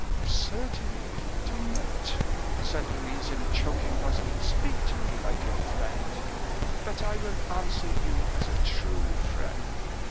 "You certainly do not," said Louise, in a choking voice, "speak to me like a friend; but I will answer you as a true friend."